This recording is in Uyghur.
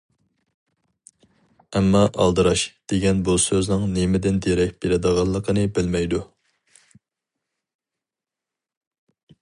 ئەمما، «ئالدىراش» دېگەن بۇ سۆزنىڭ نېمىدىن دېرەك بېرىدىغانلىقىنى بىلمەيدۇ.